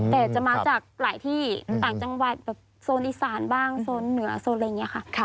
แต่จะมาจากหลายที่ต่างจังหวัดแบบโซนอีสานบ้างโซนเหนือโซนอะไรอย่างนี้ค่ะ